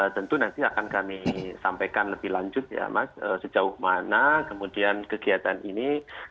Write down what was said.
tentu nanti akan kami sampaikan lebih lanjut ya mas sejauh mana kemudian kegiatan ini